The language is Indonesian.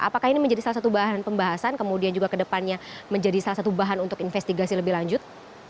apakah ini menjadi salah satu bahan pembahasan kemudian juga kedepannya menjadi salah satu bahan untuk investigasi lebih lanjut